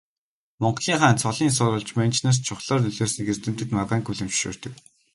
Монголын хаан цолын сурвалж манж нарт чухлаар нөлөөлснийг эрдэмтэд маргаангүй хүлээн зөвшөөрдөг.